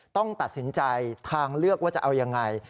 ต้องตัดสินใจทางเลือกว่าจะเอายังไง